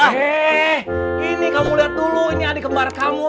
heeeh ini kamu liat dulu ini adik kembar kamu